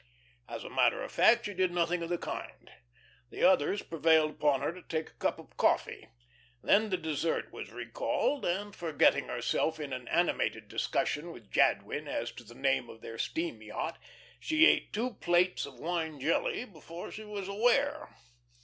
As a matter of fact, she did nothing of the kind. The others prevailed upon her to take a cup of coffee. Then the dessert was recalled, and, forgetting herself in an animated discussion with Jadwin as to the name of their steam yacht, she ate two plates of wine jelly before she was aware.